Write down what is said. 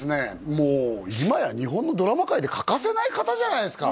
もう今や日本のドラマ界で欠かせない方じゃないですか？